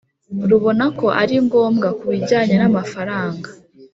Rubona ko ari ngombwa ku bijyanye n amafaranga